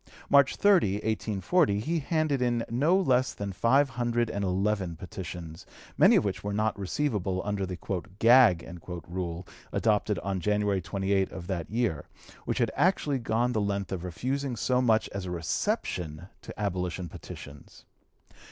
March 30, 1840, he handed in no less than five hundred and eleven petitions, many of which were not receivable under the "gag" rule adopted on January 28 of that year, which had actually gone the length of refusing so much as a reception to abolition petitions.